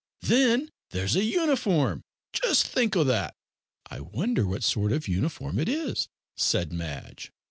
Then there's a uniform; just think o' that!" "I wonder what sort of uniform it is," said Madge.